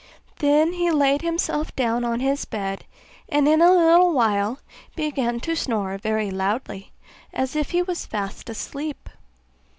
Then he laid himself down on his bed, and in a little while began to snore very loud as if he was fast asleep.